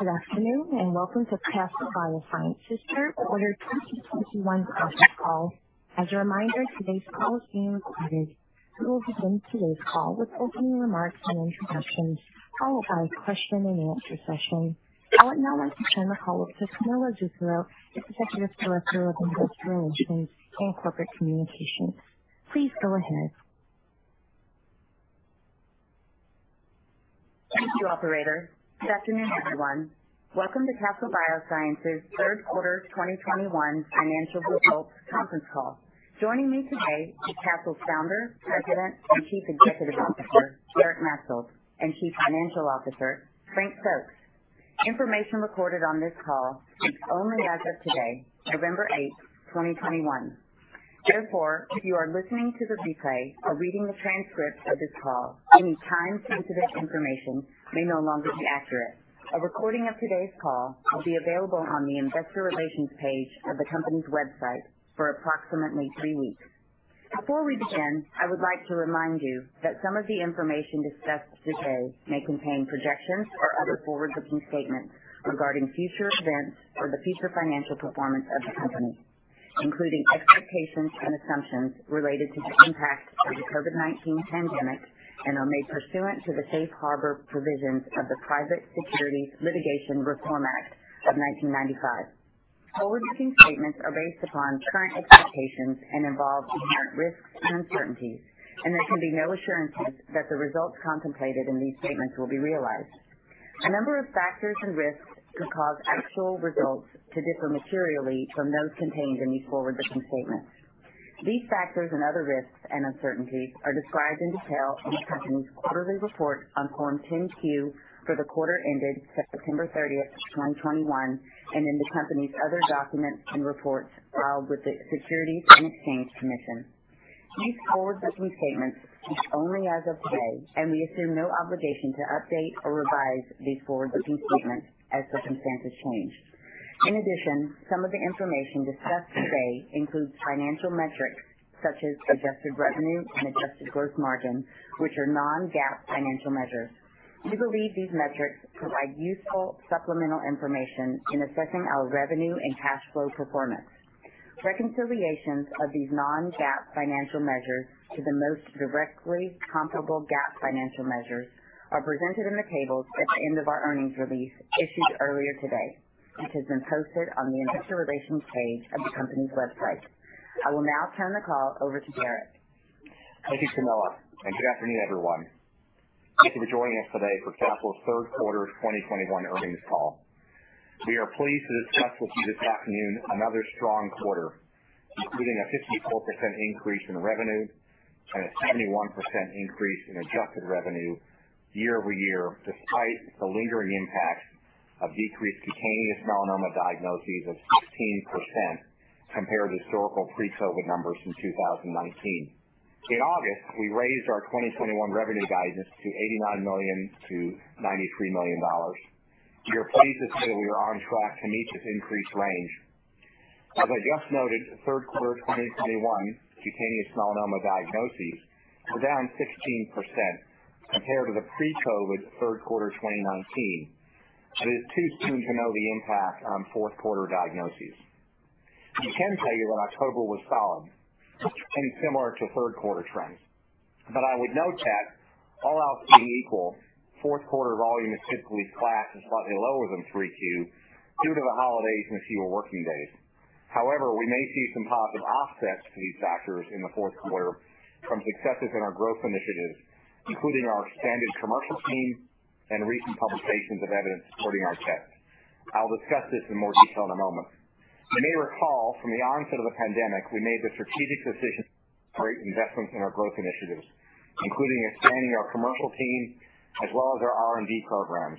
Good afternoon, and welcome to Castle Biosciences' third quarter 2021 conference call. As a reminder, today's call is being recorded. We will begin today's call with opening remarks and introductions, followed by a question-and-answer session. I would now like to turn the call over to Camilla Zuccaro, Executive Director of Investor Relations and Corporate Communications. Please go ahead. Thank you, operator. Good afternoon, everyone. Welcome to Castle Biosciences' third quarter 2021 financial results conference call. Joining me today is Castle's Founder, President, and Chief Executive Officer, Derek Maetzold, and Chief Financial Officer, Frank Stokes. Information recorded on this call is only as of today, November 8, 2021. Therefore, if you are listening to the replay or reading a transcript of this call, any time-sensitive information may no longer be accurate. A recording of today's call will be available on the investor relations page of the company's website for approximately three weeks. Before we begin, I would like to remind you that some of the information discussed today may contain projections or other forward-looking statements regarding future events or the future financial performance of the company, including expectations and assumptions related to the impact of the COVID-19 pandemic and are made pursuant to the Safe Harbor provisions of the Private Securities Litigation Reform Act of 1995. Forward-looking statements are based upon current expectations and involve inherent risks and uncertainties, and there can be no assurances that the results contemplated in these statements will be realized. A number of factors and risks could cause actual results to differ materially from those contained in these forward-looking statements. These factors and other risks and uncertainties are described in detail in the company's quarterly report on Form 10-Q for the quarter ended September 30, 2021, and in the company's other documents and reports filed with the Securities and Exchange Commission. These forward-looking statements speak only as of today, and we assume no obligation to update or revise these forward-looking statements as circumstances change. In addition, some of the information discussed today includes financial metrics such as adjusted revenue and adjusted gross margin, which are non-GAAP financial measures. We believe these metrics provide useful supplemental information in assessing our revenue and cash flow performance. Reconciliations of these non-GAAP financial measures to the most directly comparable GAAP financial measures are presented in the tables at the end of our earnings release issued earlier today and have been posted on the investor relations page of the company's website. I will now turn the call over to Derek. Thank you, Camilla, and good afternoon, everyone. Thank you for joining us today for Castle's third quarter 2021 earnings call. We are pleased to discuss with you this afternoon another strong quarter, including a 54% increase in revenue and a 71% increase in adjusted revenue year-over-year, despite the lingering impact of decreased cutaneous melanoma diagnoses of 16% compared to historical pre-COVID numbers from 2019. In August, we raised our 2021 revenue guidance to $89 million-$93 million. We are pleased to say that we are on track to meet this increased range. As I just noted, third quarter 2021 cutaneous melanoma diagnoses were down 16% compared to the pre-COVID third quarter 2019. It is too soon to know the impact on fourth quarter diagnoses. We can tell you that October was solid and similar to third quarter trends, but I would note that all else being equal, fourth quarter volume is typically flat and slightly lower than Q3 due to the holidays and fewer working days. However, we may see some positive offsets to these factors in the fourth quarter from successes in our growth initiatives, including our expanded commercial team and recent publications of evidence supporting our tests. I'll discuss this in more detail in a moment. You may recall from the onset of the pandemic, we made the strategic decision to create investments in our growth initiatives, including expanding our commercial team as well as our R&D programs,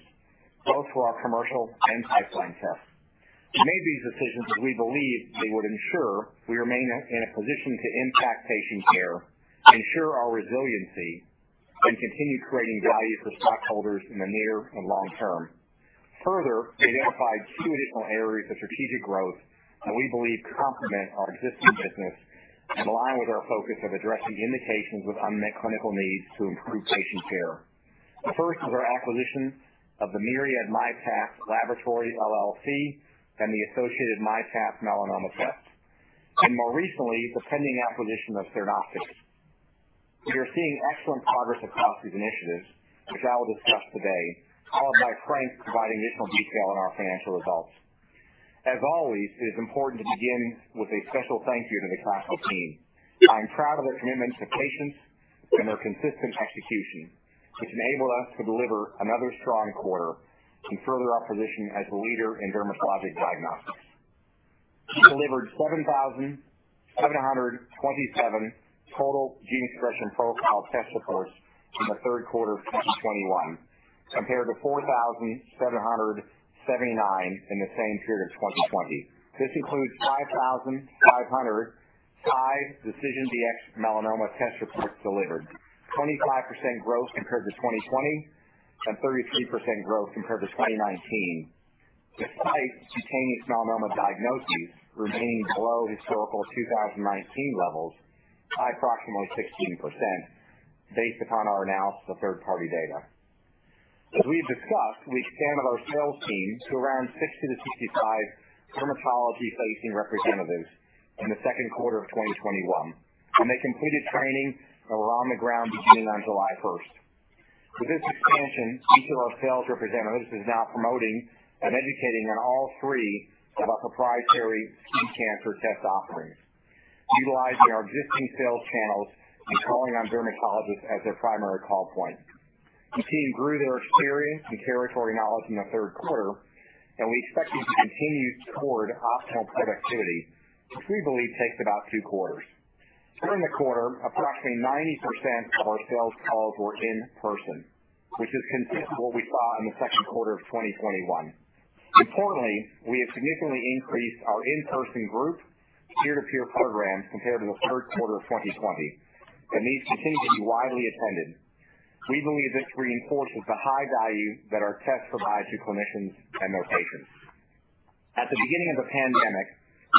both for our commercial and pipeline tests. We made these decisions as we believed they would ensure we remain in a position to impact patient care, ensure our resiliency, and continue creating value for stockholders in the near and long term. Further, we identified two additional areas of strategic growth that we believe complement our existing business and align with our focus of addressing indications with unmet clinical needs to improve patient care. The first is our acquisition of the Myriad myPath, LLC and the associated myPath Melanoma test, and more recently, the pending acquisition of Cernostics. We are seeing excellent progress across these initiatives, which I will discuss today, followed by Frank providing additional detail on our financial results. As always, it is important to begin with a special thank you to the Castle team. I'm proud of their commitment to patients and their consistent execution, which enable us to deliver another strong quarter and further our position as the leader in dermatologic diagnostics. We delivered 7,727 total gene expression profile test reports in the third quarter of 2021, compared to 4,779 in the same period of 2020. This includes 5,505 DecisionDx Melanoma test reports delivered, 25% growth compared to 2020 and 33% growth compared to 2019. Despite cutaneous melanoma diagnoses remaining below historical 2019 levels by approximately 16% based on our analysis of third-party data. As we've discussed, we expanded our sales team to around 60-65 dermatology-facing representatives in the second quarter of 2021, and they completed training and were on the ground beginning on July 1st. With this expansion, each of our sales representatives is now promoting and educating on all three of our proprietary skin cancer test offerings, utilizing our existing sales channels and calling on dermatologists as their primary call point. The team grew their experience and territory knowledge in the third quarter, and we expect them to continue toward optimal productivity, which we believe takes about two quarters. During the quarter, approximately 90% of our sales calls were in person, which is consistent with what we saw in the second quarter of 2021. Importantly, we have significantly increased our in-person group peer-to-peer program compared to the third quarter of 2020, and these continue to be widely attended. We believe this reinforces the high value that our tests provide to clinicians and their patients. At the beginning of the pandemic,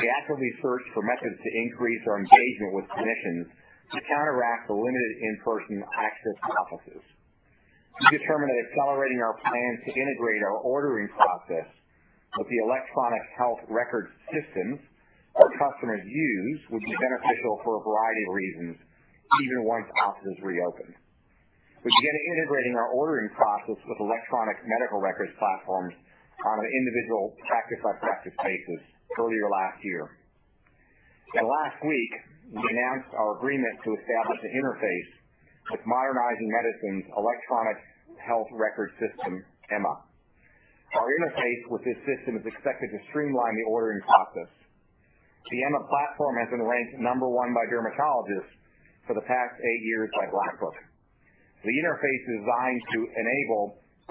we actively searched for methods to increase our engagement with clinicians to counteract the limited in-person access to offices. We determined that accelerating our plans to integrate our ordering process with the electronic health record systems our customers use would be beneficial for a variety of reasons even once offices reopened. We began integrating our ordering process with electronic medical records platforms on an individual practice-by-practice basis earlier last year. Last week, we announced our agreement to establish an interface with Modernizing Medicine's electronic health record system, EMA. Our interface with this system is expected to streamline the ordering process. The EMA platform has been ranked number one by dermatologists for the past eight years by Black Book. The interface is designed to enable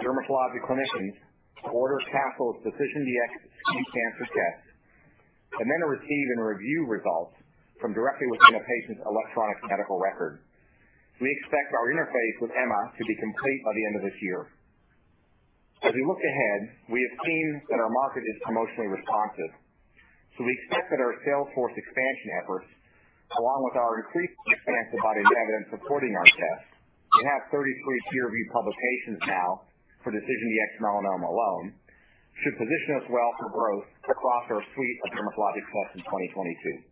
dermatologic clinicians to order Castle's DecisionDx skin cancer tests and then receive and review results from directly within a patient's electronic medical record. We expect our interface with EMA to be complete by the end of this year. As we look ahead, we have seen that our market is promotionally responsive. We expect that our sales force expansion efforts, along with our increased clinical evidence supporting our tests, we have 33 peer-reviewed publications now for DecisionDx Melanoma alone, should position us well for growth across our suite of dermatologic tests in 2022.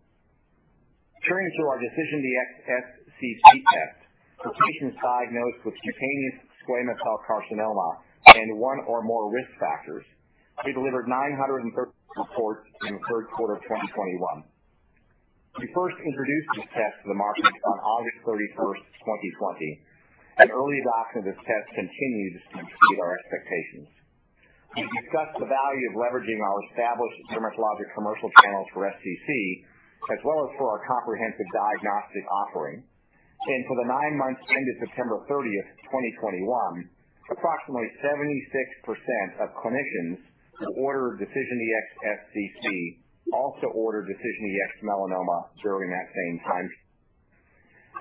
Turning to our DecisionDx SCC test for patients diagnosed with cutaneous squamous cell carcinoma and one or more risk factors, we delivered 930 reports in the third quarter of 2021. We first introduced this test to the market on August 31st, 2020, and early adoption of this test continues to exceed our expectations. We've discussed the value of leveraging our established dermatologic commercial channels for SCC as well as for our comprehensive diagnostic offering. For the nine months ended September 30th, 2021, approximately 76% of clinicians who order DecisionDx SCC also order DecisionDx Melanoma during that same time.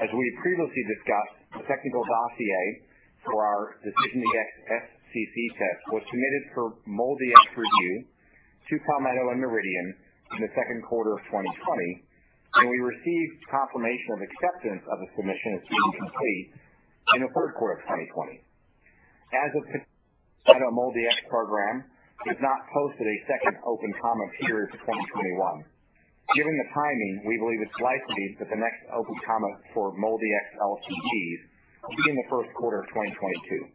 As we previously discussed, the technical dossier for our DecisionDx SCC test was submitted for MolDX review to Palmetto and Meridian in the second quarter of 2020, and we received confirmation of acceptance of the submission as being complete in the third quarter of 2020. As of today, the MolDX program has not posted a second Open Comet period for 2021. Given the timing, we believe it's likely that the next Open Comet for MolDX LDTs will be in the first quarter of 2022.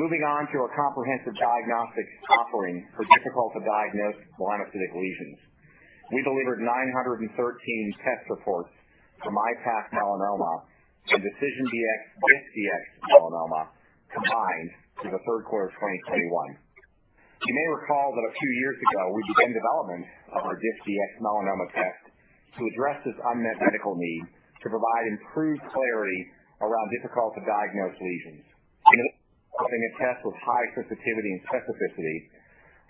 Moving on to our comprehensive diagnostics offering for difficult to diagnose melanocytic lesions. We delivered 913 test reports for MyPath Melanoma and DecisionDx-diffDx-Melanoma combined for the third quarter of 2021. You may recall that a few years ago, we began development of our diffDx Melanoma test to address this unmet medical need to provide improved clarity around difficult to diagnose lesions. In developing a test with high sensitivity and specificity,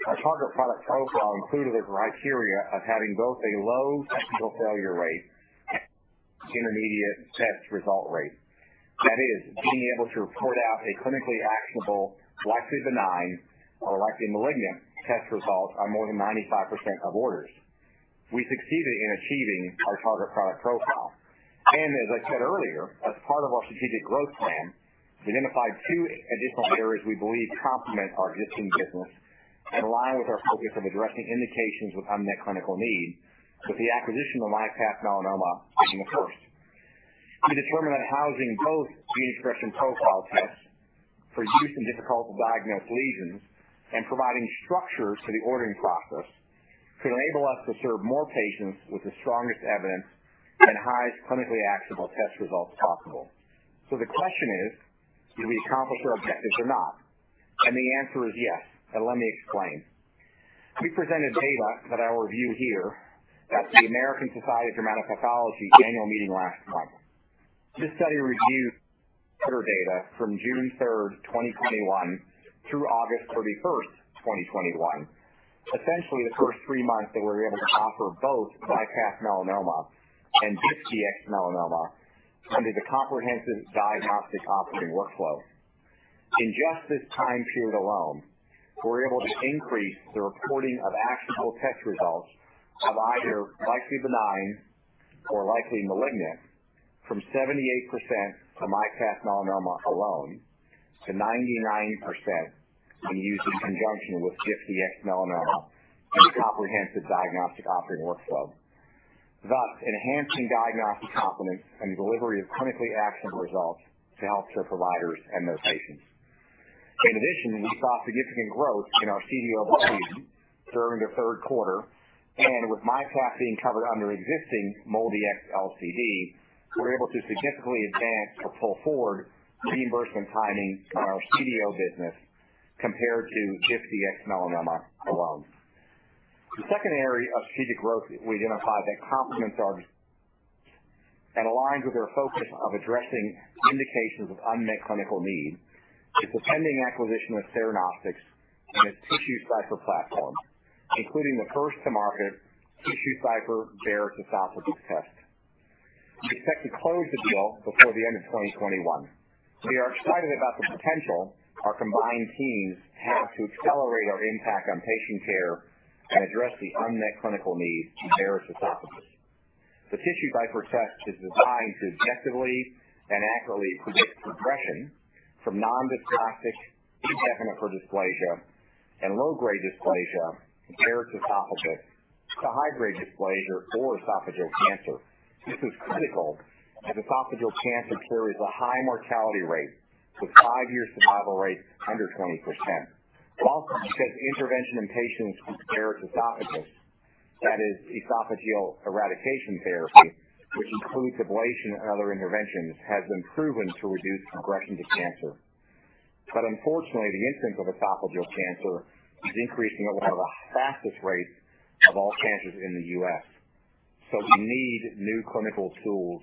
our target product profile included the criteria of having both a low technical failure rate and intermediate test result rate. That is, being able to report out a clinically actionable, likely benign or likely malignant test result on more than 95% of orders. We succeeded in achieving our target product profile. As I said earlier, as part of our strategic growth plan, we identified two additional areas we believe complement our existing business and align with our focus of addressing indications with unmet clinical need, with the acquisition of MyPath Melanoma being the first. We determined that housing both gene expression profile tests for use in difficult to diagnose lesions and providing structure to the ordering process could enable us to serve more patients with the strongest evidence and highest clinically actionable test results possible. The question is, did we accomplish our objective or not? The answer is yes, and let me explain. We presented data that I will review here at the American Society of Dermatopathology annual meeting last month. This study reviewed order data from June 3rd, 2021 through August 31st, 2021. Essentially, the first three months that we were able to offer both MyPath Melanoma and DecisionDx Melanoma under the comprehensive diagnostic offering workflow. In just this time period alone, we're able to increase the reporting of actionable test results of either likely benign or likely malignant from 78% for MyPath Melanoma alone to 99% when used in conjunction with DecisionDx Melanoma and the comprehensive diagnostic offering workflow, thus enhancing diagnostic confidence and delivery of clinically actionable results to healthcare providers and their patients. In addition, we saw significant growth in our CDO revenue during the third quarter, and with MyPath being covered under existing MolDX LCD, we're able to significantly advance or pull forward reimbursement timing of our CDO business compared to DecisionDx Melanoma alone. The second area of strategic growth we identified that complements our and aligns with our focus of addressing indications of unmet clinical need is the pending acquisition of Cernostics and its TissueCypher platform, including the first to market TissueCypher Barrett's esophagus test. We expect to close the deal before the end of 2021. We are excited about the potential our combined teams have to accelerate our impact on patient care and address the unmet clinical needs in Barrett's esophagus. The TissueCypher test is designed to objectively and accurately predict progression from non-dysplastic indefinite for dysplasia and low-grade dysplasia in Barrett's esophagus to high-grade dysplasia or esophageal cancer. This is critical as esophageal cancer carries a high mortality rate, with five-year survival rates under 20%. While specific intervention in patients with Barrett's esophagus, that is esophageal eradication therapy, which includes ablation and other interventions, has been proven to reduce progression to cancer. Unfortunately, the incidence of esophageal cancer is increasing at one of the fastest rates of all cancers in the U.S. We need new clinical tools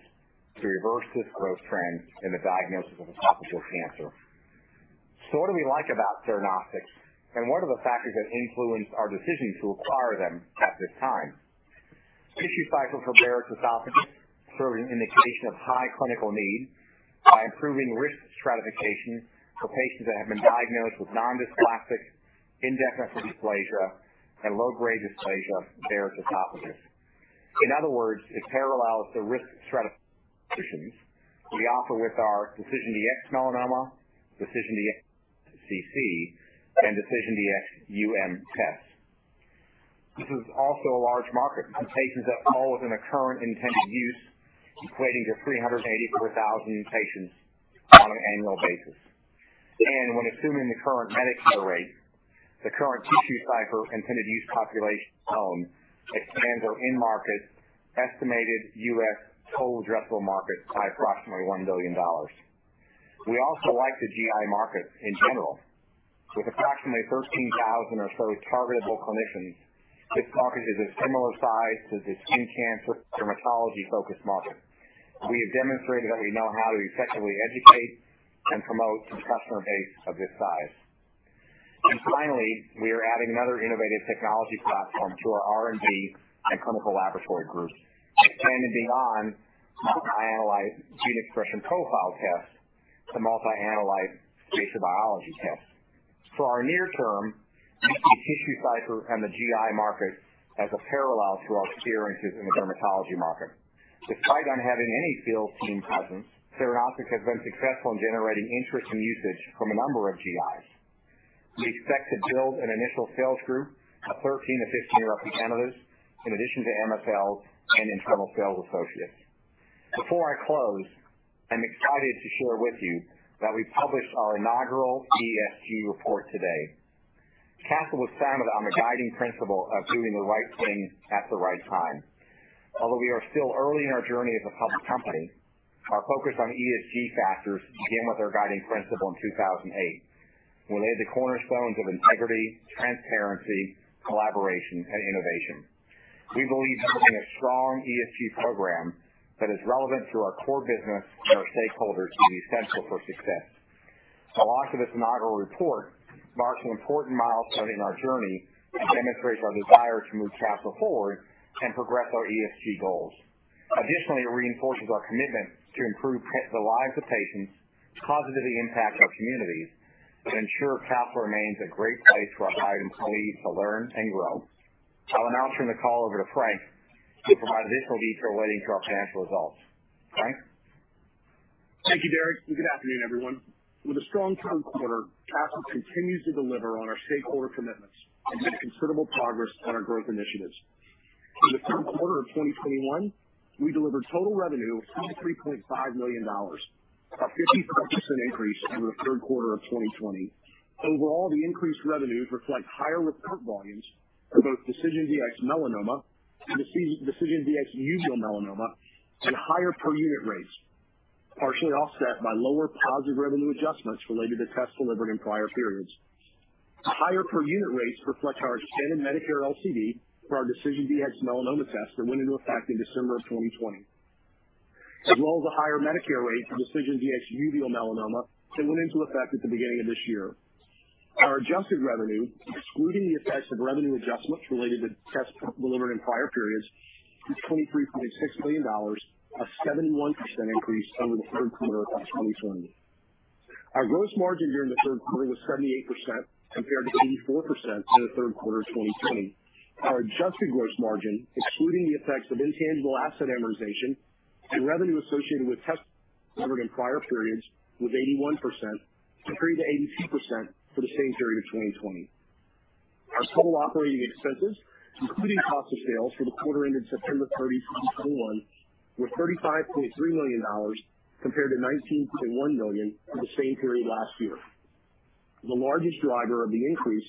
to reverse this growth trend in the diagnosis of esophageal cancer. What do we like about Cernostics? And what are the factors that influence our decision to acquire them at this time? TissueCypher for Barrett's esophagus serves an indication of high clinical need by improving risk stratification for patients that have been diagnosed with non-dysplastic, indefinite for dysplasia, and low-grade dysplasia Barrett's esophagus. In other words, it parallels the risk stratifications we offer with our DecisionDx Melanoma, DecisionDx SCC, and DecisionDx-UM tests. This is also a large market for patients that fall within the current intended use, equating to 384,000 new patients on an annual basis. When assuming the current Medicare rate, the current TissueCypher intended use population alone expands our in-market estimated U.S. total addressable market by approximately $1 billion. We also like the GI market in general. With approximately 13,000 or so targetable clinicians, this market is a similar size to the skin cancer dermatology-focused market. We have demonstrated that we know how to effectively educate and promote a customer base of this size. Finally, we are adding another innovative technology platform to our R&D and clinical laboratory groups, expanding beyond multi-analyte gene expression profile tests to multi-analyte spatial biology tests. For our near term, we see TissueCypher and the GI market as a parallel to our experiences in the dermatology market. Despite not having any field team presence, Cernostics has been successful in generating interest and usage from a number of GIs. We expect to build an initial sales group of 13-15 representatives in addition to MSLs and internal sales associates. Before I close, I'm excited to share with you that we published our inaugural ESG report today. Castle was founded on the guiding principle of doing the right thing at the right time. Although we are still early in our journey as a public company, our focus on ESG factors began with our guiding principle in 2008. We laid the cornerstones of integrity, transparency, collaboration, and innovation. We believe having a strong ESG program that is relevant to our core business and our stakeholders will be essential for success. The launch of this inaugural report marks an important milestone in our journey and demonstrates our desire to move Castle forward and progress our ESG goals. Additionally, it reinforces our commitment to improve the lives of patients, positively impact our communities, and ensure Castle remains a great place for our valued employees to learn and grow. I'll now turn the call over to Frank to provide additional detail relating to our financial results. Frank? Thank you, Derek, and good afternoon, everyone. With a strong third quarter, Castle continues to deliver on our stakeholder commitments and made considerable progress on our growth initiatives. In the third quarter of 2021, we delivered total revenue of $23.5 million, a 55% increase over the third quarter of 2020. Overall, the increased revenues reflect higher test volumes for both DecisionDx Melanoma, DecisionDx-UM and higher per unit rates, partially offset by lower positive revenue adjustments related to tests delivered in prior periods. Higher per unit rates reflect our expanded Medicare LCD for our DecisionDx Melanoma test that went into effect in December of 2020, as well as a higher Medicare rate for DecisionDx-UM that went into effect at the beginning of this year. Our adjusted revenue, excluding the effects of revenue adjustments related to tests delivered in prior periods, was $23.6 million, a 71% increase over the third quarter of 2020. Our gross margin during the third quarter was 78% compared to 84% in the third quarter of 2020. Our adjusted gross margin, excluding the effects of intangible asset amortization and revenue associated with tests delivered in prior periods, was 81%, compared to 82% for the same period in 2020. Our total operating expenses, including cost of sales for the quarter ended September 30, 2021, were $35.3 million compared to $19.1 million for the same period last year. The largest driver of the increase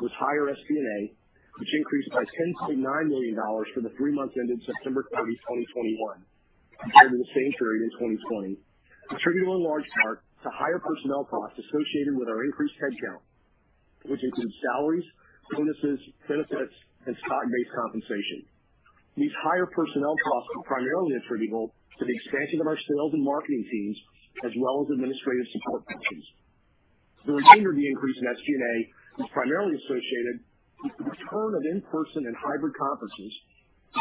was higher SG&A, which increased by $10.9 million for the three months ended September 30, 2021 compared to the same period in 2020, attributable in large part to higher personnel costs associated with our increased headcount, which includes salaries, bonuses, benefits and stock-based compensation. These higher personnel costs are primarily attributable to the expansion of our sales and marketing teams as well as administrative support functions. The remainder of the increase in SG&A is primarily associated with the return of in-person and hybrid conferences,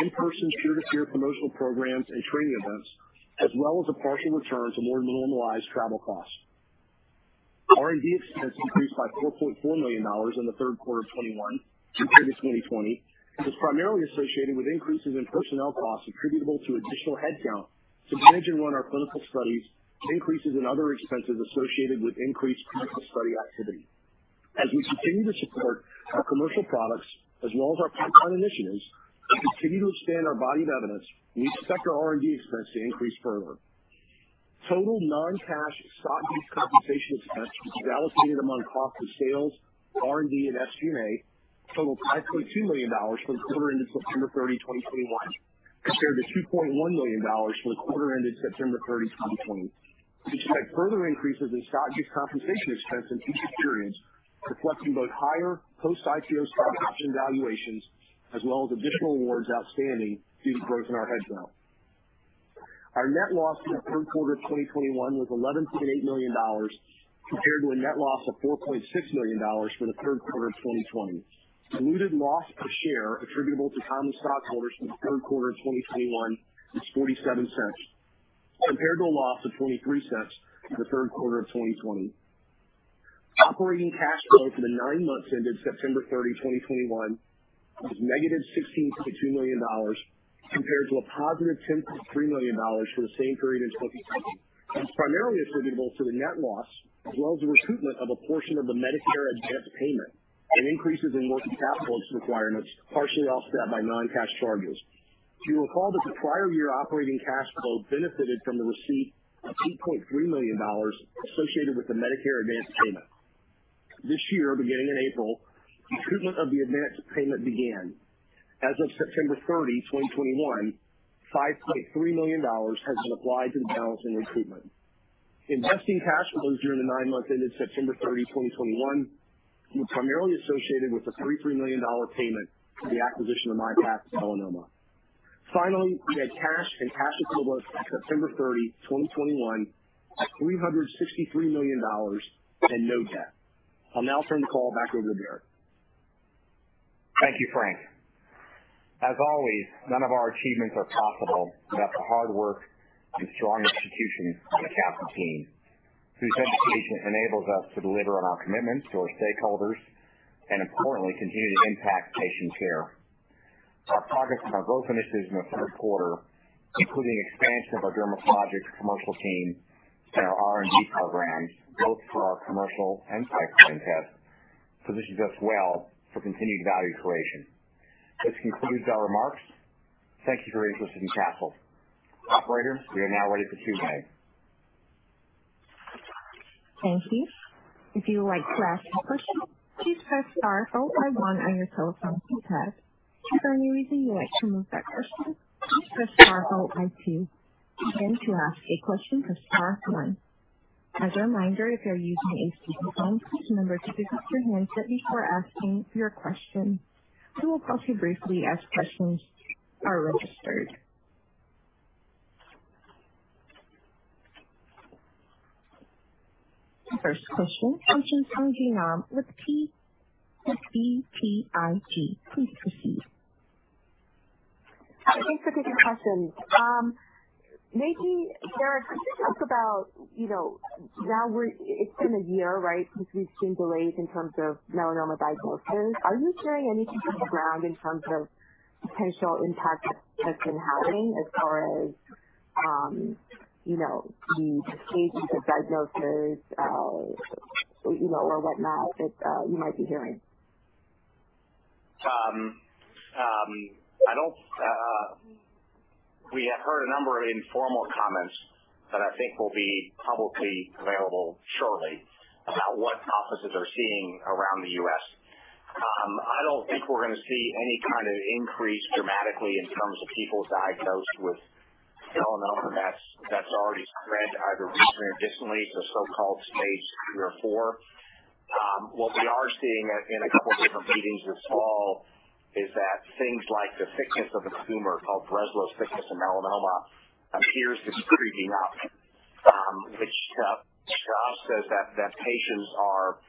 in-person peer-to-peer promotional programs and training events, as well as a partial return to more normalized travel costs. R&D expense increased by $4.4 million in the third quarter of 2021 compared to 2020 and is primarily associated with increases in personnel costs attributable to additional headcount to manage and run our clinical studies, increases in other expenses associated with increased clinical study activity. As we continue to support our commercial products as well as our pipeline initiatives and continue to expand our body of evidence, we expect our R&D expense to increase further. Total non-cash stock-based compensation expense, which is allocated among cost of sales, R&D and SG&A, totaled $5.2 million for the quarter ended September 30, 2021, compared to $2.1 million for the quarter ended September 30, 2020. We expect further increases in stock-based compensation expense in future periods, reflecting both higher post-IPO stock option valuations as well as additional awards outstanding due to growth in our headcount. Our net loss for the third quarter of 2021 was $11.8 million, compared to a net loss of $4.6 million for the third quarter of 2020. Diluted loss per share attributable to common stockholders for the third quarter of 2021 was $0.47, compared to a loss of $0.23 for the third quarter of 2020. Operating cash flow for the nine months ended September 30, 2021 was negative $16.2 million, compared to a positive $10.3 million for the same period in 2020 and is primarily attributable to the net loss as well as the recoupment of a portion of the Medicare advanced payment and increases in working capital requirements, partially offset by non-cash charges. If you recall that the prior year operating cash flow benefited from the receipt of $2.3 million associated with the Medicare advanced payment. This year, beginning in April, recoupment of the advanced payment began. As of September 30, 2021, $5.3 million has been applied to the balancing recoupment. Investing cash flows during the nine months ended September 30, 2021 was primarily associated with the $33 million payment for the acquisition of MyPath Melanoma. Finally, we had cash and cash equivalents as at September 30, 2021 at $363 million and no debt. I'll now turn the call back over to Derek. Thank you, Frank. As always, none of our achievements are possible without the hard work and strong execution of the Castle team, whose dedication enables us to deliver on our commitments to our stakeholders and importantly, continue to impact patient care. Our progress on our growth initiatives in the third quarter, including expansion of our dermatologic commercial team and our R&D programs, both for our commercial and pipeline tests, positions us well for continued value creation. This concludes our remarks. Thank you for your interest in Castle. Operator, we are now ready for Q&A. Thank you. If you would like to ask a question, please press star four then one on your telephone keypad. If for any reason you would like to remove that question, please press star four then two. Again, to ask a question, press star one. As a reminder, if you're using a speakerphone, please remember to pick up your handset before asking your question. We will call you briefly as questions are registered. The first question comes from Puneet Souda with SVB Leerink. Please proceed. Thanks for taking questions. Maybe, Derek, can you talk about, you know, now it's been a year, right, since we've seen delays in terms of melanoma diagnosis. Are you seeing any change on the ground in terms of potential impact that's been having as far as, you know, the stage of diagnoses, you know, or whatnot that you might be hearing? We have heard a number of informal comments that I think will be publicly available shortly about what oncologists are seeing around the U.S. I don't think we're gonna see any kind of increase dramatically in terms of people diagnosed with melanoma that's already spread either regionally or distantly to so-called stage III or IV. What we are seeing in a couple of different meetings this fall is that things like the thickness of a tumor called Breslow thickness in melanoma appears to be creeping up, which shows that patients are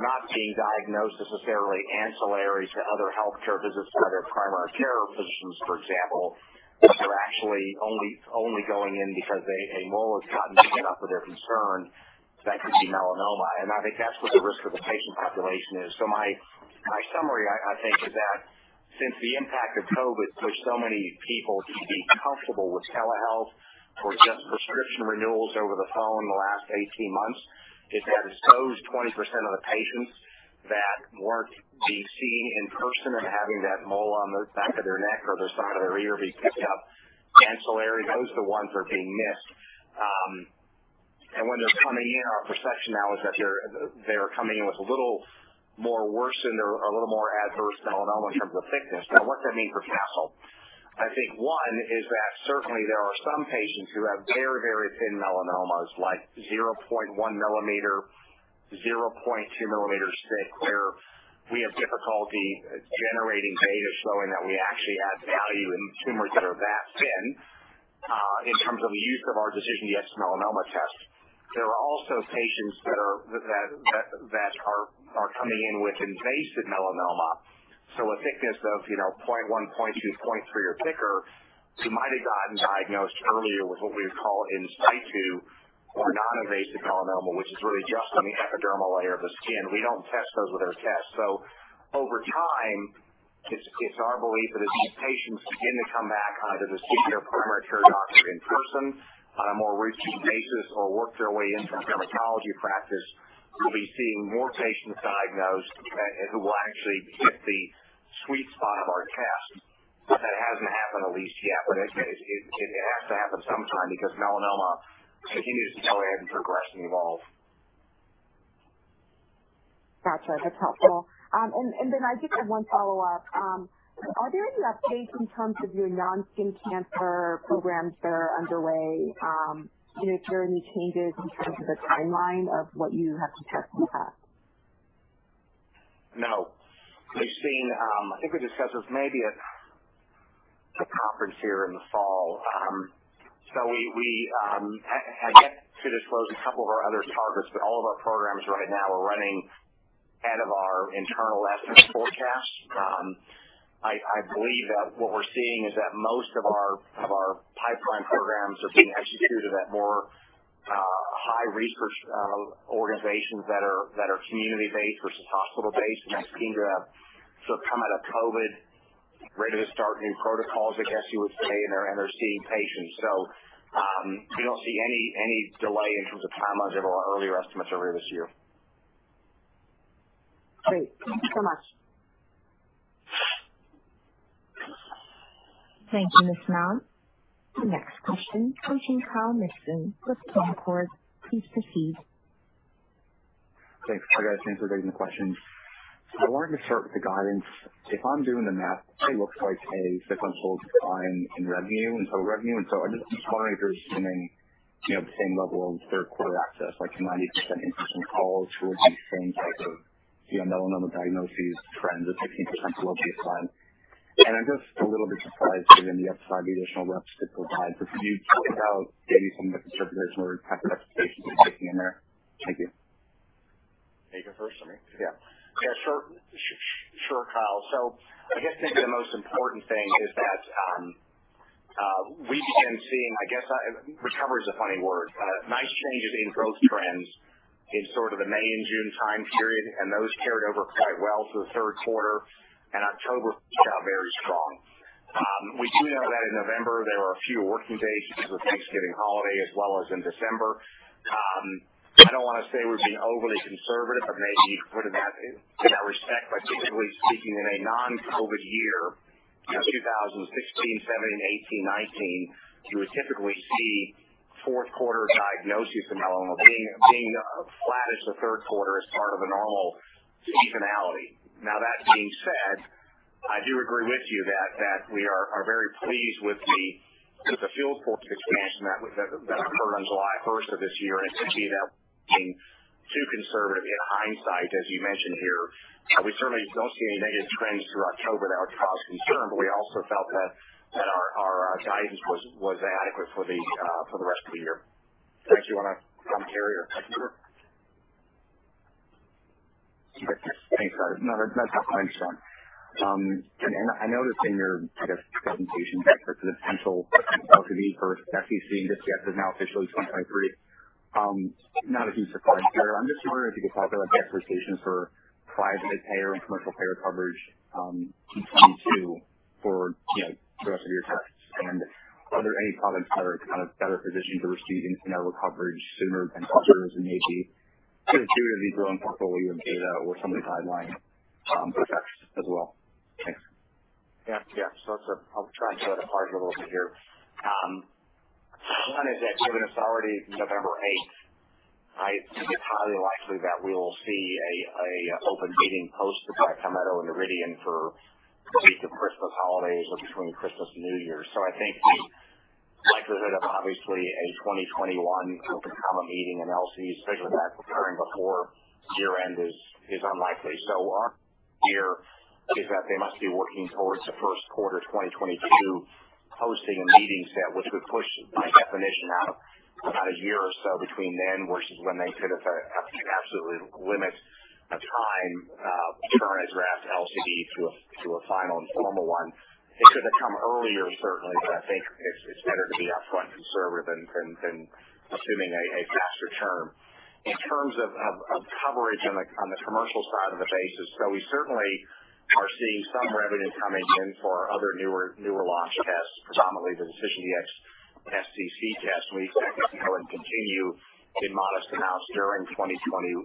not being diagnosed necessarily ancillary to other healthcare visits for their primary care physicians, for example. They're actually only going in because a mole has gotten big enough that they're concerned that could be melanoma. I think that's what the risk for the patient population is. My summary, I think, is that since the impact of COVID pushed so many people to be comfortable with telehealth or just prescription renewals over the phone in the last 18 months, those 20% of the patients that weren't being seen in person and having that mole on the back of their neck or the side of their ear be picked up incidentally are the ones that are being missed. When they're coming in, our perception now is that they're coming in with a little more worsened or a little more adverse melanoma in terms of thickness. Now what that means for Castle, I think one, is that certainly there are some patients who have very, very thin melanomas, like 0.1 mm, 0.2 mm thick, where we have difficulty generating data showing that we actually add value in tumors that are that thin, in terms of the use of our DecisionDx-Melanoma test. There are also patients that are coming in with invasive melanoma. So a thickness of, you know, 0.1mm, 0.2mm, 0.3mm or thicker, who might have gotten diagnosed earlier with what we would call in situ or non-invasive melanoma, which is really just on the epidermal layer of the skin. We don't test those with our test. Over time, it's our belief that as these patients begin to come back, either to see their primary care doctor in person on a more routine basis or work their way into a dermatology practice, we'll be seeing more patients diagnosed who will actually hit the sweet spot of our test. That hasn't happened at least yet, but it has to happen sometime because melanoma continues to go ahead and progress and evolve. Gotcha. That's helpful. I do have one follow-up. Are there any updates in terms of your non-skin cancer programs that are underway? You know, if there are any changes in terms of the timeline of what you have to test in that? No. We've seen. I think we discussed this maybe at the conference here in the fall. We had yet to disclose a couple of our other targets, but all of our programs right now are running ahead of our internal estimates forecast. I believe that what we're seeing is that most of our pipeline programs are being executed at more high research organizations that are community-based versus hospital-based and are seeming to have sort of come out of COVID ready to start new protocols, I guess you would say, and they're seeing patients. We don't see any delay in terms of timelines over our earlier estimates earlier this year. Great. Thank you so much. Thank you, Puneet Souda. The next question comes from Kyle Mikson with Jefferies. Please proceed. Thanks. Hi, guys. Thanks for taking the questions. I wanted to start with the guidance. If I'm doing the math, it looks like a sequential decline in revenue, and so I'm just surprised you're assuming, you know, the same level of third quarter access, like 90% in-person calls will have the same type of, you know, melanoma diagnoses trends as 16% below baseline. I'm just a little bit surprised given the upside the additional reps could provide. Can you talk about maybe some of the conservatism or type of expectations you're baking in there? Thank you. Me first or me? Yeah. Yeah, sure. Sure, Kyle. I guess maybe the most important thing is that we began seeing, I guess, recovery is a funny word. Nice changes in growth trends in sort of the May and June time period, and those carried over quite well to the third quarter, and October started out very strong. We do know that in November, there were a few working days because of the Thanksgiving holiday as well as in December. I don't wanna say we're being overly conservative, but maybe put it that, in that respect, like typically speaking in a non-COVID year, you know, 2016, 2017, 2018, 2019, you would typically see fourth quarter diagnoses of melanoma being flat as the third quarter as part of a normal seasonality. Now that being said, I do agree with you that we are very pleased with the field force expansion that occurred on July 1st of this year and see that being too conservative in hindsight, as you mentioned here. We certainly don't see any negative trends through October that would cause concern, but we also felt that our guidance was adequate for the rest of the year. Frank, do you want to comment or touch on it? Sure. Thanks, guys. No, that's all I understand. I noticed in your presentation that the potential for FDA for LCD and Dx-SCC is now officially 2023. Not a huge surprise there. I'm just curious if you could talk about the expectations for private payer and commercial payer coverage in 2022 for, you know, the rest of your tests. And are there any products that are kind of better positioned to receive insurance network coverage sooner than others and maybe kind of too with this growing portfolio and data or some of the timeline for tests as well? Thanks. Yeah. I'll try to add a little bit here. One is that given it's already November 8th, I think it's highly likely that we will see an open comment post that might come out early, Noridian, in the weeks of Christmas holidays or between Christmas and New Year's. I think the likelihood of obviously a 2021 COPACOM meeting and LCD, especially with that occurring before year-end is unlikely. Our view is that they must be working towards the first quarter 2022 hosting a meeting set, which would push by definition out about a year or so between then versus when they could have to limit the time to turn a draft LCD to a final and formal one. It could have come earlier certainly, but I think it's better to be upfront and conservative than assuming a faster term. In terms of coverage on the commercial side of the business. We certainly are seeing some revenue coming in for our other newer launch tests, predominantly the DecisionDx SCC test. We expect that to go and continue in modest amounts during 2022.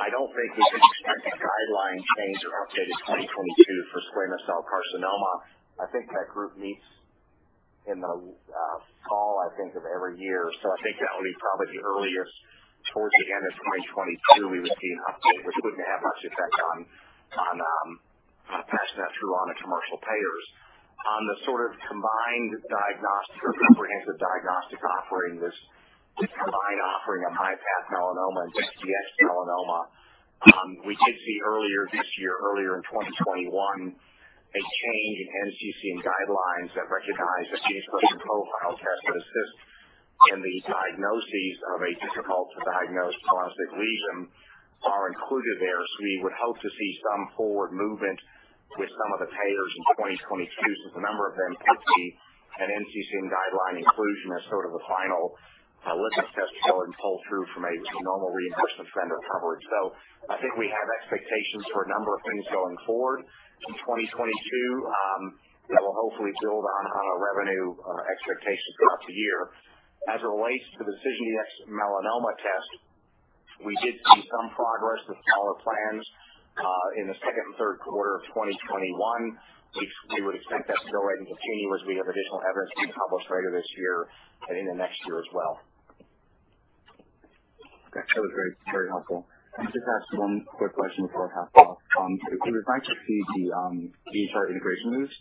I don't think we can expect a guideline change or update in 2022 for squamous cell carcinoma. I think that group meets in the fall, I think, of every year. I think that would be probably the earliest towards the end of 2022 we would see an update, which wouldn't have much effect on passing that through on the commercial payers. On the sort of combined diagnostic or comprehensive diagnostic offering, this combined offering of MyPath Melanoma and DecisionDx Melanoma, we did see earlier this year, earlier in 2021, a change in NCCN guidelines that recognize a gene expression profile test that assists in these diagnoses of a difficult to diagnose cutaneous lesion are included there. We would hope to see some forward movement with some of the payers in 2022, since a number of them could see an NCCN guideline inclusion as sort of a final litmus test to then pull through from a normal reimbursement vendor coverage. I think we have expectations for a number of things going forward in 2022 that will hopefully build on our revenue expectations throughout the year. As it relates to the DecisionDx-Melanoma test, we did see some progress with payer plans in the second and third quarter of 2021. We would expect that to go ahead and continue as we have additional evidence being published later this year and into next year as well. That was very, very helpful. Can I just ask one quick question before I pass it off? It was nice to see the EHR integration news.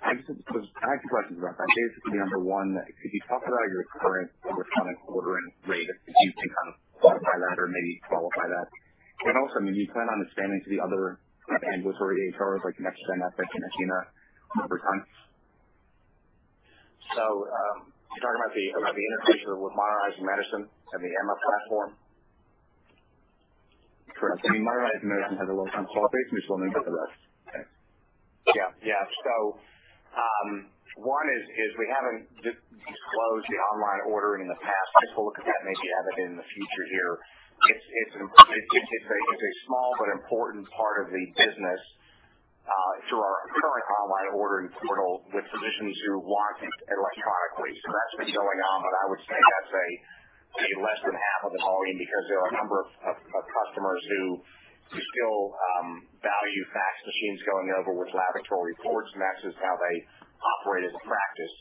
I just have two questions about that. Basically, number one, could you talk about your current electronic ordering rate, if you can kind of quantify that or maybe qualify that? I mean, do you plan on expanding to the other kind of ambulatory EHRs like NextGen, Epic, and athenahealth over time? You're talking about the integration with Modernizing Medicine and the EMA platform? Correct. I mean, Modernizing Medicine has a well-known qualification, then for the rest. Thanks. Yeah. Yeah. One is we haven't disclosed the online ordering in the past. I just will look at that and maybe add it in the future here. It's a small but important part of the business through our current online ordering portal with physicians who want it electronically. That's been going on, but I would say that's less than half of the volume because there are a number of customers who still value fax machines going over with laboratory reports and that's just how they operate as a practice.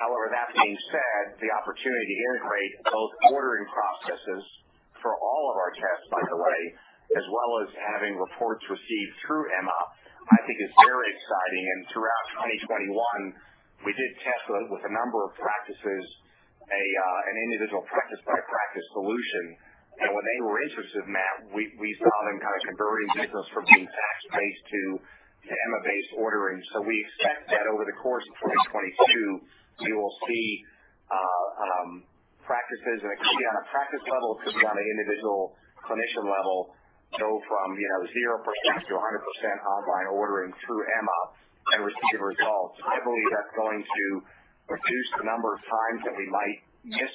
However, that being said, the opportunity to integrate both ordering processes for all of our tests, by the way, as well as having reports received through EMA, I think is very exciting. Throughout 2021, we did test with a number of practices an individual practice by practice solution. When they were interested, Matt, we saw them kind of converting business from being fax-based to EMA-based ordering. We expect that over the course of 2022, you will see practices, and it could be on a practice level, it could be on an individual clinician level, go from, you know, 0% to 100% online ordering through EMA and receive results. I believe that's going to reduce the number of times that we might miss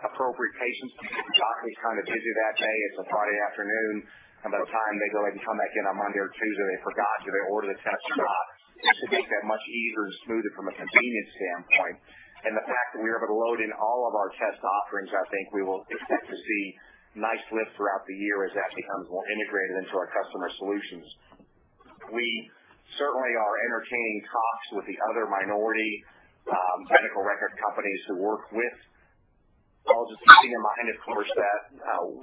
appropriate patients because the doctor was kind of busy that day. It's a Friday afternoon. By the time they go ahead and come back in on Monday or Tuesday, they forgot. Do they order the test or not? This should make that much easier and smoother from a convenience standpoint. The fact that we are able to load in all of our test offerings, I think we will expect to see nice lift throughout the year as that becomes more integrated into our customer solutions. We certainly are entertaining talks with the other minority medical record companies to work with. While just keeping in mind, of course, that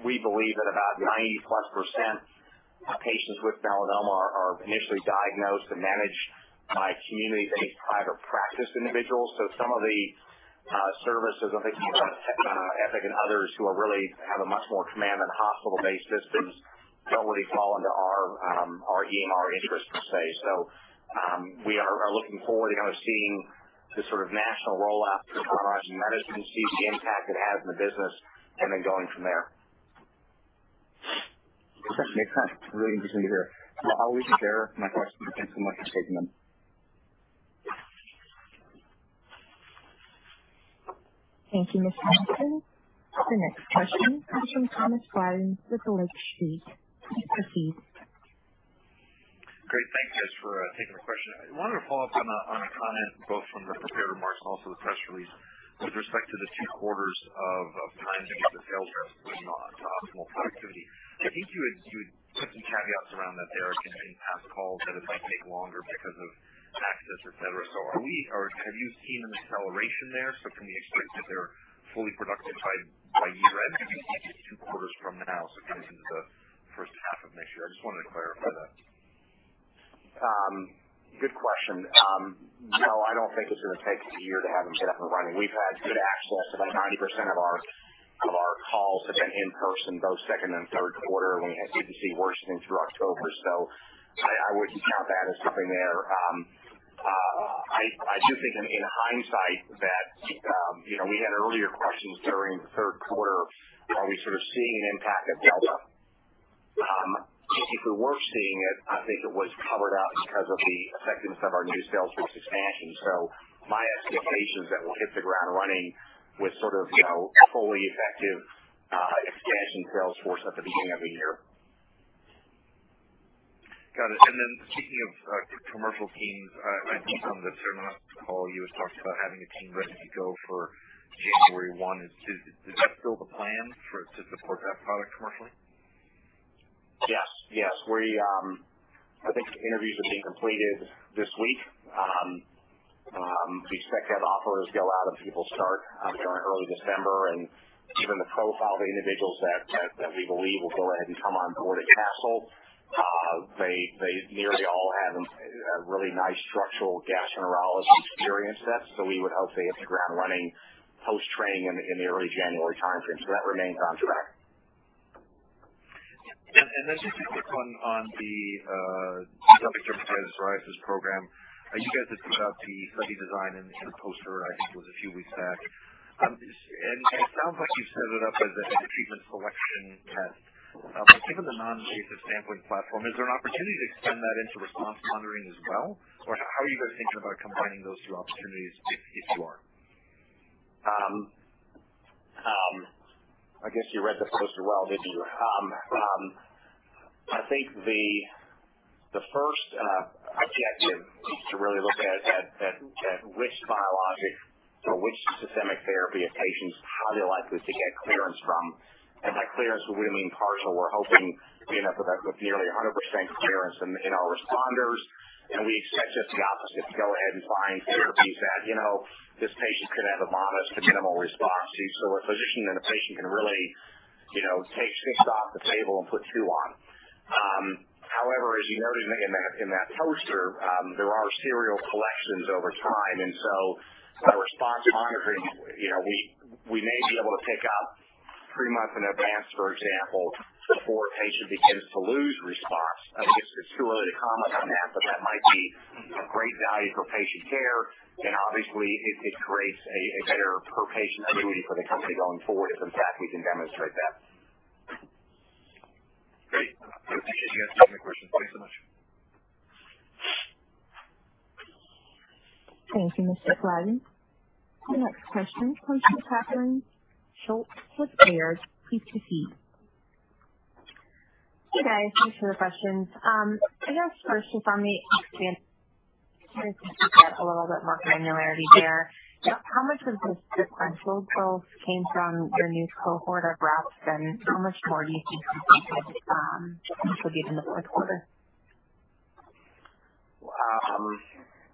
we believe that about 90%+ of patients with melanoma are initially diagnosed and managed by community-based private practice individuals. Some of the services, I'm thinking about, Epic and others who really have a much more command in hospital-based systems don't really fall into our EMR interest, per se. We are looking forward to kind of seeing the sort of national rollout through Modernizing Medicine, see the impact it has in the business, and then going from there. That's really interesting to hear. I'll leave it there. My questions. Thanks so much for taking them. Thank you, Mr. Mikson. The next question comes from Thomas Flaten with Lake Street. Please proceed. Great. Thank you guys for taking the question. I wanted to follow up on a comment both from the prepared remarks and also the press release with respect to the two quarters of time to get to sales reps with non-optimal productivity. I think you had put some caveats around that there can have calls that it might take longer because of access, et cetera. Are we or have you seen an acceleration there? Can we expect that they're fully productive by year-end? Have you seen just two quarters from now? Coming into the first half of next year? I just wanted to clarify that. Good question. No, I don't think it's gonna take a year to have them set up and running. We've had good access to about 90% of our calls have been in-person, both second and third quarter, and we had CDC worsening through October. I wouldn't count that as something there. I do think in hindsight that you know we had earlier questions during the third quarter, are we sort of seeing an impact at Delta? If we were seeing it, I think it was covered up because of the effectiveness of our new sales force expansion. My expectation is that we'll hit the ground running with sort of you know a fully effective expansion sales force at the beginning of the year. Got it. Speaking of commercial teams, I think on the last call, you had talked about having a team ready to go for January 1. Is that still the plan to support that product commercially? Yes. Yes, I think interviews are being completed this week. We expect to have offers go out, and people start during early December and given the profile of the individuals that we believe will go ahead and come on board at Castle, they nearly all have a really nice structural gastroenterology experience set. We would hope they hit the ground running post-training in the early January timeframe. That remains on track. Then just a quick one on the dermatitis psoriasis program. You guys had put out the study design and sort of poster, I think it was a few weeks back. It sounds like you've set it up as a, like a treatment selection path. But given the non-invasive sampling platform, is there an opportunity to extend that into response monitoring as well? Or how are you guys thinking about combining those two opportunities if you are? I guess you read the poster well, didn't you? I think the first objective is to really look at which biologic or which systemic therapy of patients, how they're likely to get clearance from. By clearance, we really mean partial. We're hoping to end up with nearly 100% clearance in our responders. We expect just the opposite to go ahead and find therapies that, you know, this patient can have a modest to minimal response to. A physician and a patient can really, you know, take six off the table and put two on. However, as you noted in that poster, there are serial collections over time, and so by response monitoring, you know, we may be able to pick up three months in advance, for example, before a patient begins to lose response. I guess it's too early to comment on that, but that might be a great value for patient care, and obviously it creates a better per patient annuity for the company going forward if, in fact, we can demonstrate that. Great. I guess you answered my question. Thank you so much. Thank you, Mr. Flaten. The next question comes from Catherine Schulte with Baird. Please proceed. Hey, guys. Thanks for the questions. I guess firstly, for a little bit more granularity there. How much of this sequential growth came from your new cohort of reps, and how much more do you think you could contribute in the fourth quarter?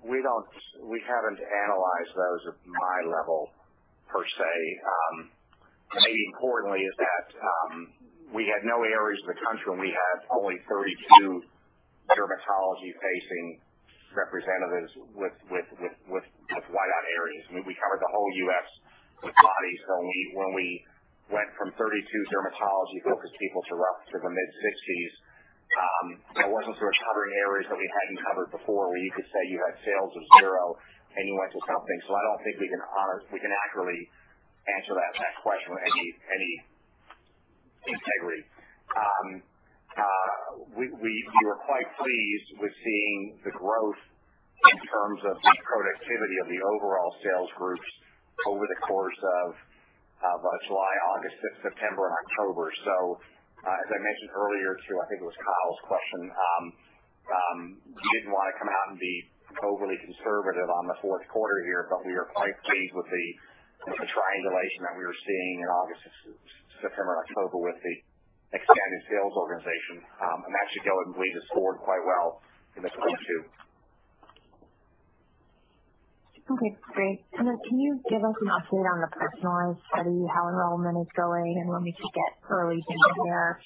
We haven't analyzed those at my level per se. Maybe importantly is that, we had no areas in the country and we had only 32 dermatology facing representatives with wide-open areas. I mean, we covered the whole U.S. with body. So when we went from 32 dermatology focused people to roughly the mid-60s, it wasn't sort of covering areas that we hadn't covered before where you could say you had sales of zero and you went to something. So I don't think we can accurately answer that question with any integrity. We were quite pleased with seeing the growth in terms of productivity of the overall sales groups over the course of July, August, September and October. As I mentioned earlier to I think it was Kyle's question, didn't wanna come out and be overly conservative on the fourth quarter here, but we are quite pleased with the triangulation that we were seeing in August, September, October with the expanded sales organization, and actually going bleep has scored quite well in this quarter too. Okay, great. Can you give us an update on the personalized study, how enrollment is going and when we could get early data there?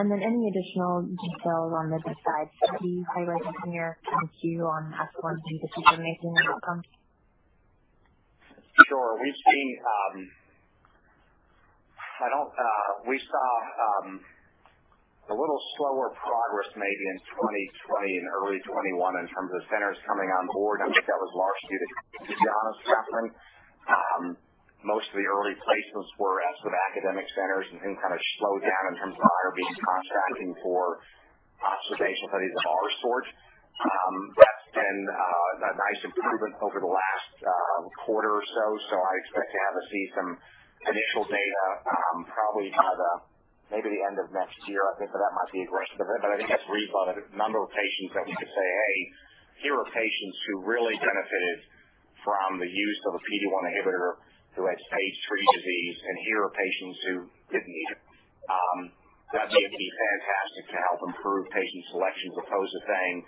Any additional details on the DECIDE study highlighting from your point of view on excellence in decision making outcome? Sure. We've seen a little slower progress maybe in 2020 and early 2021 in terms of centers coming on board. I think that was largely the sentiment. Most of the early placements were with academic centers and then kind of slowed down in terms of IRB contracting for observational studies of our sort. That's been a nice improvement over the last quarter or so. I expect to see some initial data, probably by maybe the end of next year. I think that might be aggressive, but I think that's reasonable. The number of patients that we could say, "Hey, here are patients who really benefited from the use of a PD-1 inhibitor who had stage III disease, and here are patients who didn't need it." That may be fantastic to help improve patient selection for Posafang.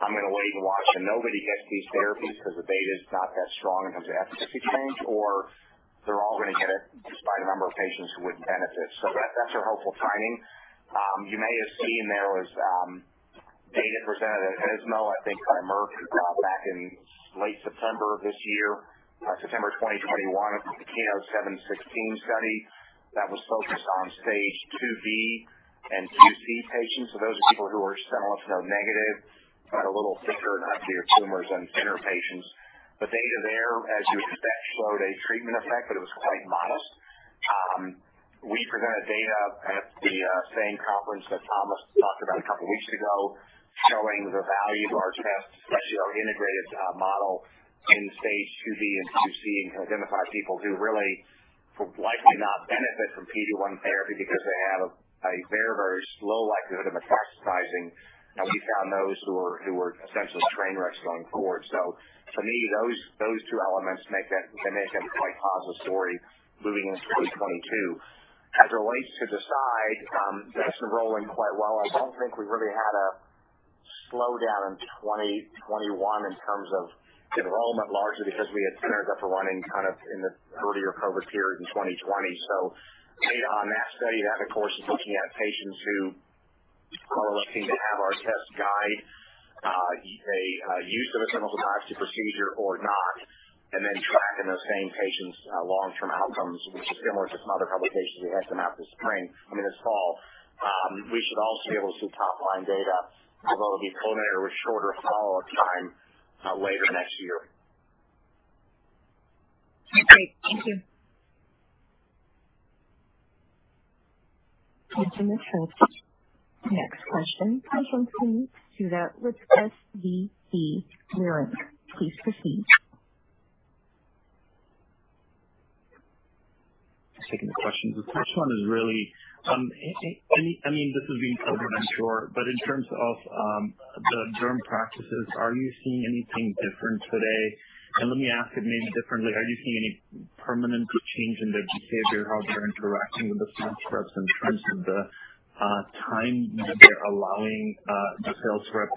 I'm gonna wait and watch and nobody gets these therapies because the data is not that strong enough to have a statistic change or they're all gonna get it just by the number of patients who wouldn't benefit. That, that's a helpful timing. You may have seen there was data presented at ESMO, I think, by Merck back in late September of this year, September 2021, you know, KEYNOTE-716 study that was focused on stage IIB and IIC patients. Those are people who are sentinel node negative, but a little thicker, not severe tumors and thinner patients. The data there, as you expect, showed a treatment effect, but it was quite modest. We presented data at the same conference that Thomas talked about a couple of weeks ago, showing the value of our tests, especially our integrated model in stage IIB and IIC, and can identify people who really will likely not benefit from PD-1 therapy because they have a very slow likelihood of metastasizing. We found those who are essentially train wrecks going forward. For me, those two elements make that they make a quite positive story moving into 2022. As it relates to the study, that's enrolling quite well. I don't think we really had a slowdown in 2021 in terms of enrollment, largely because we had cleared up the running kind of in the earlier COVID period in 2020. Data on that study that, of course, is looking at patients who are looking to have our test guide a use of a clinical biopsy procedure or not, and then tracking those same patients long-term outcomes, which is similar to some other publications we had come out this spring. I mean, this fall. We should also be able to see top line data, although it'll be preliminary with shorter follow-up time later next year. Okay. Thank you. Thank you, Catherine Schulte. Next question comes from Puneet Souda with SVB Leerink. Please proceed. Thanks for taking the questions. The first one is really, I mean, this has been covered, I'm sure, but in terms of the derm practices, are you seeing anything different today? Let me ask it maybe differently. Are you seeing any permanent change in their behavior, how they're interacting with the sales reps in terms of the time that they're allowing the sales rep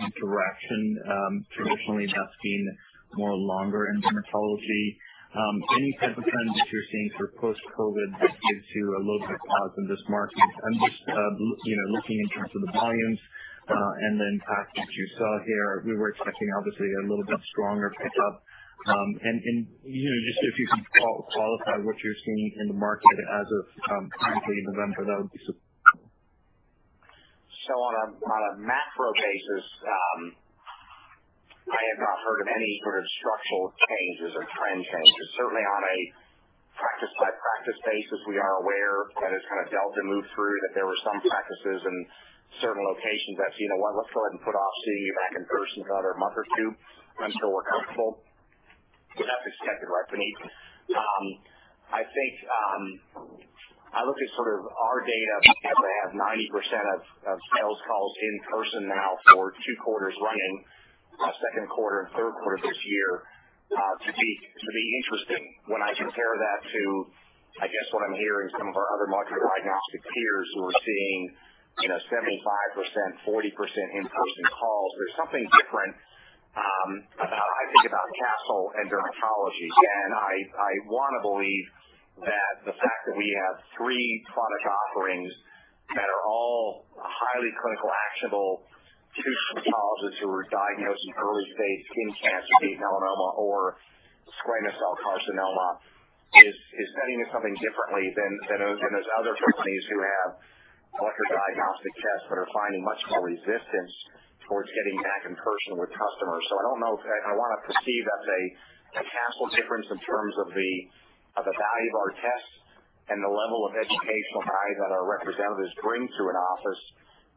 interaction, traditionally that's been more longer in dermatology? Any type of trends that you're seeing for post-COVID that gives you a little bit of pause in this market? I'm just, you know, looking in terms of the volumes and the impact that you saw here. We were expecting, obviously, a little bit stronger pickup. You know, just if you can qualify what you're seeing in the market as of currently November, that would be super. On a macro basis, I have not heard of any sort of structural changes or trend changes. Certainly on a practice by practice basis, we are aware that as kind of Delta moved through, that there were some practices in certain locations that, you know what? Let's go ahead and put off seeing you back in person for another month or two until we're comfortable. That's expected, right, Vinny? I think I look at sort of our data to have 90% of sales calls in person now for two quarters running, second quarter and third quarter this year, to be interesting when I compare that to, I guess, what I'm hearing some of our other market diagnostic peers who are seeing, you know, 75%, 40% in-person calls. There's something different about, I think about Castle and Dermatology. I wanna believe that the fact that we have three product offerings that are all highly clinical, actionable to pathologists who are diagnosing early-stage skin cancer, be it melanoma or squamous cell carcinoma, is getting to something differently than those other companies who have molecular diagnostic tests but are finding much more resistance towards getting back in person with customers. I don't know. I wanna perceive that the Castle difference in terms of the value of our tests and the level of educational value that our representatives bring to an office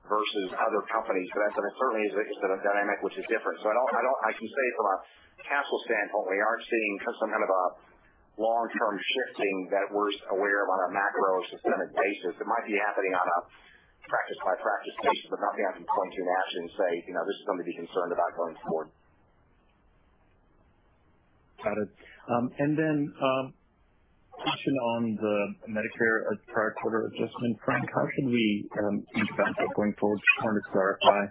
versus other companies. That's certainly a dynamic which is different. I can say from a Castle standpoint, we aren't seeing some kind of a long-term shifting that we're aware of on a macro systemic basis. It might be happening on a practice by practice case, but nothing I can point to nationally and say, "You know, this is something to be concerned about going forward. Got it. Then, touching on the Medicare prior quarter adjustment, Frank, how should we think about that going forward? Just wanted to clarify.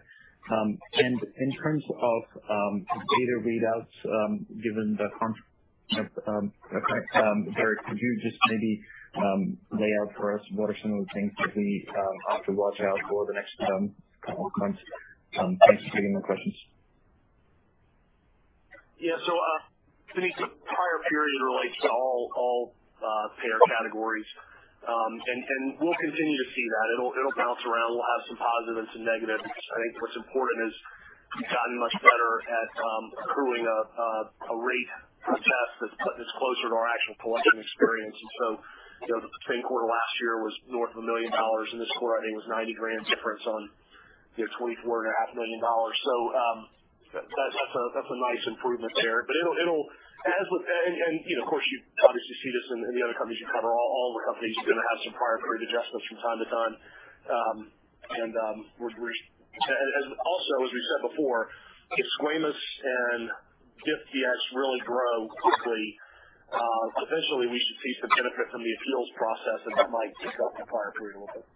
In terms of data readouts, given the contract effect, Derek, could you just maybe lay out for us what are some of the things that we ought to watch out for the next couple of months? Thanks. Any more questions? Yeah, so, the prior period relates to all payer categories. We'll continue to see that. It'll bounce around. We'll have some positive and some negative. I think what's important is we've gotten much better at accruing a rate per test that's putting us closer to our actual collection experience. You know, the same quarter last year was north of $1 million. In this quarter, I think it was $90,000 difference on, you know, $24.5 million. That's a nice improvement there. But it'll. You know, of course, you obviously see this in the other companies you cover. All the companies are gonna have some prior period adjustments from time to time. We're. Also, as we said before, if squamous and GPS really grow quickly, eventually we should see some benefit from the appeals process, and that might pick up the prior period a little bit.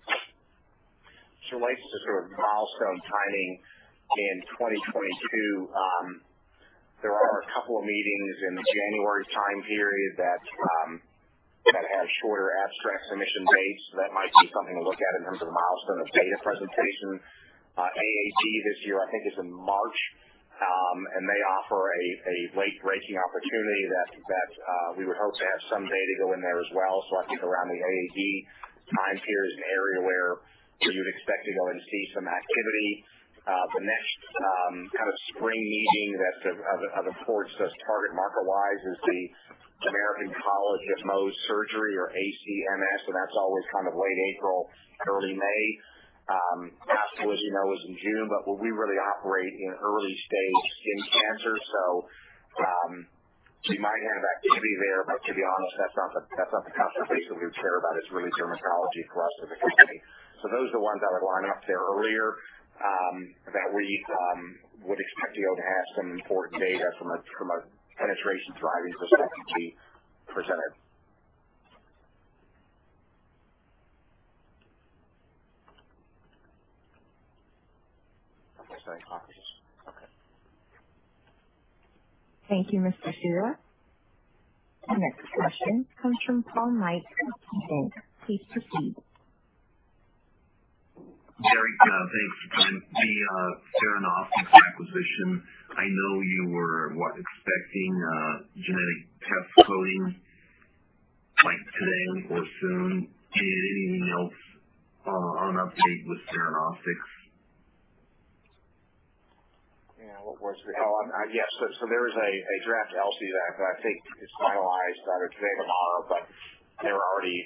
This relates to sort of milestone timing in 2022. There are a couple of meetings in the January time period that have shorter abstract submission dates. That might be something to look at in terms of the milestone of data presentation. AAD this year, I think, is in March. They offer a late-breaking opportunity that we would hope to have some data go in there as well. I think around the AAD time period is an area where you'd expect to go and see some activity. The next kind of spring meeting that's of importance to us target market-wise is the American College of Mohs Surgery or ACMS, and that's always kind of late April, early May. ASCO, as you know, is in June, but we really operate in early-stage skin cancer. We might have activity there, but to be honest, that's not the concentration we would care about. It's really dermatology for us as a company. Those are the ones I would line up there earlier that we would expect to be able to have some important data from a penetration driving perspective to be presented. Okay. Sorry. Thank you, Mr. Souda. The next question comes from Paul Knight from KeyBanc. Please proceed. Derek, thanks again. The Cernostics acquisition, I know you were expecting genetic test coding, like, today or soon. Anything else on an update with Cernostics? Yes. There is a draft LCD that I think is finalized either today or tomorrow, but they're already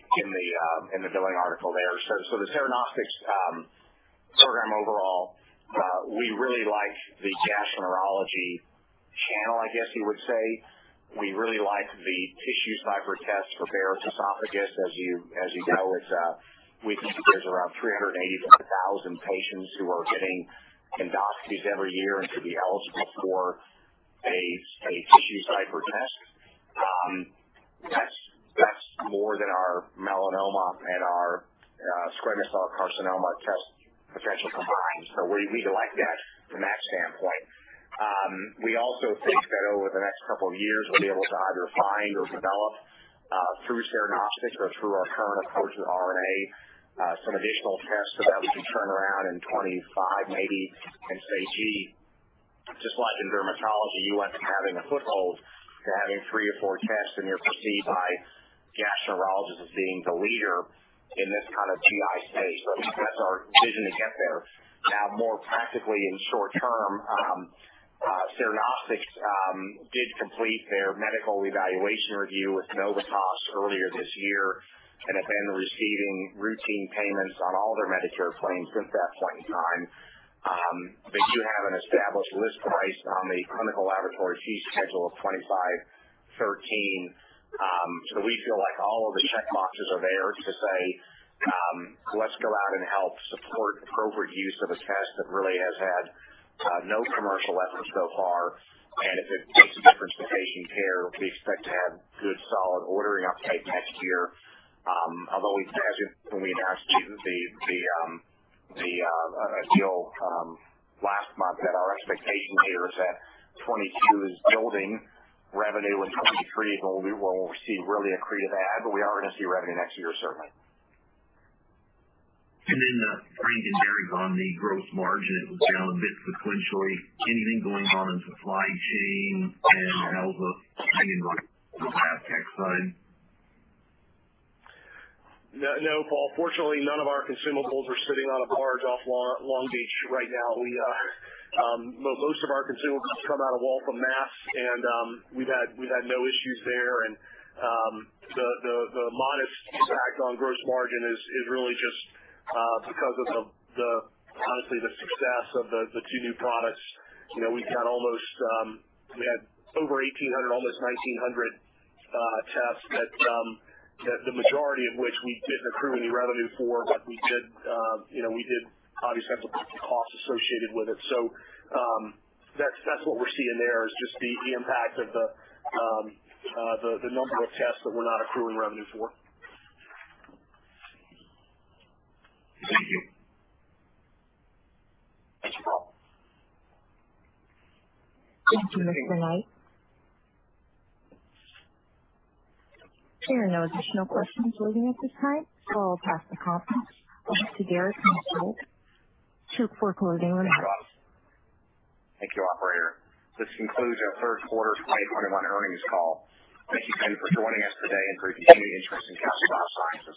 in the billing article there. The Cernostics program overall, we really like the gastroenterology channel, I guess you would say. We really like the TissueCypher test for Barrett's esophagus. As you know, we think there's around 385,000 patients who are getting endoscopies every year and could be eligible for a TissueCypher test. That's more than our melanoma and our squamous cell carcinoma test potential combined. We like that from that standpoint. We also think that over the next couple of years, we'll be able to either find or develop, through Cernostics or through our current approach with RNA, some additional tests so that we can turn around in 2025 maybe and say, "Gee, just like in dermatology, you went from having a foothold to having three or four tests, and you're perceived by gastroenterologists as being the leader in this kind of GI space." At least that's our vision to get there. Now, more practically in short term, Cernostics did complete their medical evaluation review with Novitas earlier this year and have been receiving routine payments on all their Medicare claims since that point in time. They do have an established list price on the clinical laboratory fee schedule of $2,513. We feel like all of the check boxes are there to say, let's go out and help support appropriate use of a test that really has had no commercial efforts so far, and if it makes a difference to patient care, we expect to have good, solid ordering uptake next year. Although we, as we announced, the deal last month and our expectation here is that 2022 is building revenue, with 2023 is when we will receive really accretive add, but we are gonna see revenue next year, certainly. Brandon, Derek's on the gross margin. It was down a bit sequentially. Anything going on in supply chain and how the, maybe on the lab tech side? No, no, Paul. Fortunately, none of our consumables are sitting on a barge off Long Beach right now. We most of our consumables come out of Waltham, Mass., and we've had no issues there. The modest impact on gross margin is really just because of the honestly the success of the two new products. You know, we had over 1,800, almost 1,900 tests that the majority of which we didn't accrue any revenue for, but we did you know we did obviously have to book the costs associated with it. That's what we're seeing there, is just the impact of the number of tests that we're not accruing revenue for. Thank you. Thank you, Paul. Thank you, Mr. Meigh. There are no additional questions waiting at this time. I'll pass the conference back to Derek Maetzold to conclude and wrap up. Thank you, operator. This concludes our third quarter 2021 earnings call. Thank you again for joining us today and for your continued interest in Castle Biosciences.